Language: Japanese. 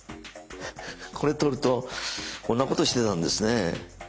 これ取るとこんなことしてたんですね。